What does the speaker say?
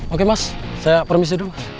oke mas saya permisi dulu